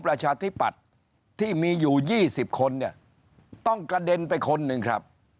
ประชาธิปัตย์ที่มีอยู่๒๐คนเนี่ยต้องกระเด็นไปคนหนึ่งครับ